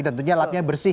dan tentunya lapnya bersih